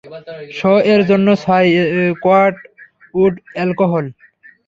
Show এর জন্য ছয় কোয়াট উড অ্যালকোহল।